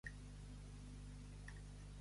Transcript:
Per Sant Marc, sardina a sacs.